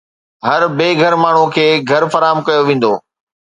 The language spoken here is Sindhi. هر بي گهر ماڻهو کي گهر فراهم ڪيو ويندو.